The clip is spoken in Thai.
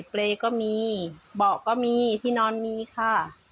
เปรย์ก็มีเบาะก็มีที่นอนมีค่ะ